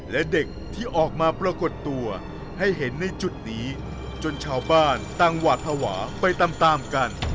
และเด็กที่ออกมาปรากฏตัวให้เห็นในจุดนี้จนชาวบ้านต่างหวาดภาวะไปตามตามกัน